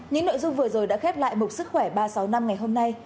những nội dung vừa rồi đã khép lại mục sức khỏe ba trăm sáu mươi năm ngày hôm nay